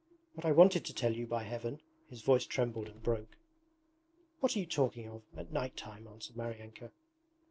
'What I wanted to tell you, by Heaven!' his voice trembled and broke. 'What are you talking of, at night time!' answered Maryanka.